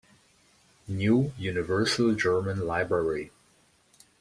New Universal German Library